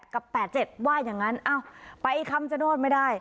๗๘กับ๘๗ว่าอย่างนั้นเอ้าไปอีกคำจาโนธไม่ได้